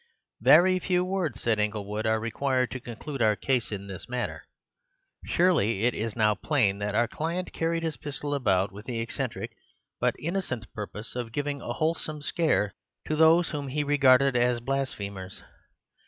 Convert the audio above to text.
"Very few words," said Inglewood, "are required to conclude our case in this matter. Surely it is now plain that our client carried his pistol about with the eccentric but innocent purpose of giving a wholesome scare to those whom he regarded as blasphemers.